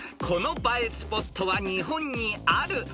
［この映えスポットは日本にある］